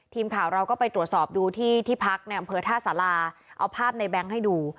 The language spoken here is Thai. ทีมข่าวเราก็ไปตรวจสอบดูที่ที่พักในอำเภอท่าสาราเอาภาพในแบงค์ให้ดู